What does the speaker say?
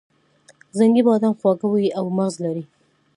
زنګي بادام خواږه وي او مغز لري.